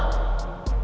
gak ada yang follow